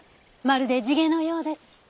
まるで地毛のようです。